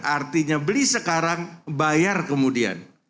artinya beli sekarang bayar kemudian